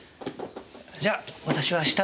じゃ私は下で。